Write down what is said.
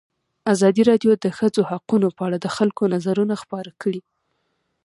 ازادي راډیو د د ښځو حقونه په اړه د خلکو نظرونه خپاره کړي.